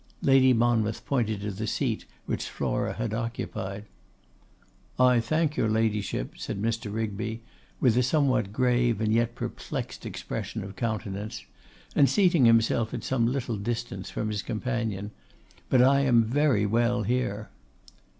Lady Monmouth pointed to the seat which Flora had occupied. 'I thank your Ladyship,' said Mr. Rigby, with a somewhat grave and yet perplexed expression of countenance, and seating himself at some little distance from his companion, 'but I am very well here.